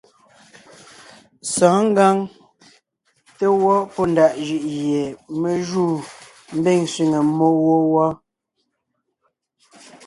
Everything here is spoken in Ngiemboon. Sɔ̌ɔn ngǎŋ té gwɔ́ pɔ́ ndaʼ jʉʼ gie me júu mbiŋ sẅiŋe mmó wó wɔ́.